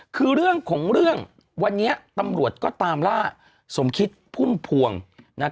คือเรื่องของเรื่องวันนี้ตำรวจก็ตามล่าสมคิดพุ่มพวง